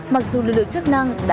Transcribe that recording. mặc dù lực lượng chức năng đã